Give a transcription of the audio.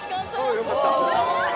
よかった。